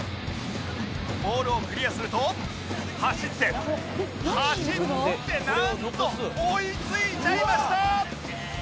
ボールをクリアすると走って走ってなんと追いついちゃいました！